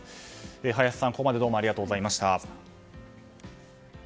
林さん、ここまでありがとうございました。